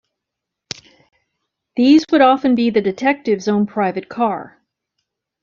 These would often be the detective's own private car.